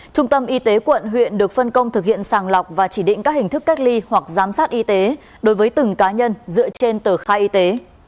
trung tâm y tế quận huyện được phân công thực hiện sàng lọc và chỉ định các hình thức cách ly hoặc giám sát y tế đối với từng cá nhân dựa trên tờ khai y tế